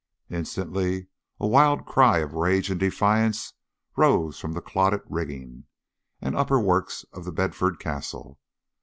Instantly a wild cry of rage and defiance rose from the clotted rigging and upper works of The Bedford Castle.